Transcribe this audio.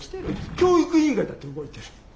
教育委員会だって動いてる。